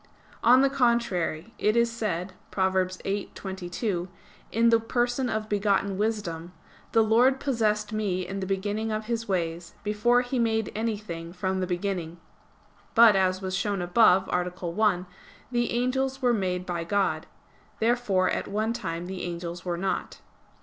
On the contrary, It is said (Prov. 8:22), in the person of begotten Wisdom: "The Lord possessed me in the beginning of His ways, before He made anything from the beginning." But, as was shown above (A. 1), the angels were made by God. Therefore at one time the angels were not.